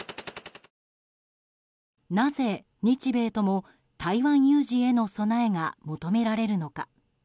なぜ日米とも台湾有事への備えが求められるのか。